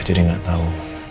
jadi gak tau